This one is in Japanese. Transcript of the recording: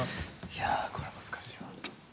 いやこれは難しいわ。